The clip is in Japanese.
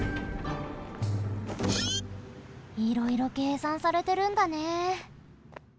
いろいろけいさんされてるんだね。